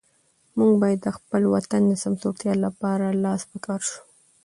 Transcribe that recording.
موږ باید د خپل وطن د سمسورتیا لپاره لاس په کار شو.